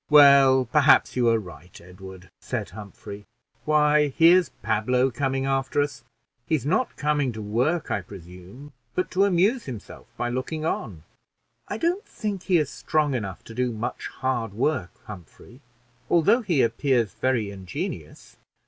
"Well, perhaps you are right, Edward," said Humphrey. "Why, here's Pablo coming after us; he's not coming to work, I presume, but to amuse himself by looking on." "I don't think he's strong enough to do much hard work, Humphrey, although he appears very ingenious."